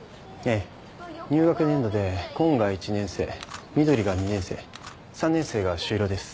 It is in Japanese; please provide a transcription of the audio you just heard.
ええ入学年度で紺が１年生緑が２年生３年生が朱色です。